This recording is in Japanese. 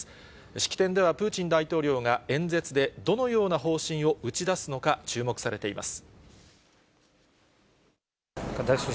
式典ではプーチン大統領が演説でどのような方針を打ち出すのか注目されています。